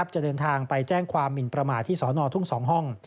จะเดินทางไปแจ้งความหมินประมาทที่สนทุ่ง๒ห้อง